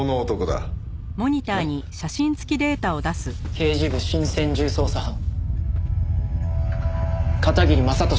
刑事部新専従捜査班片桐正敏